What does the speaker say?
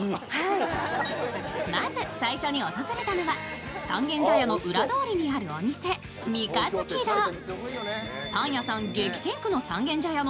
まず最初に訪れたのは三軒茶屋の裏通りにあるお店、ミカヅキ堂。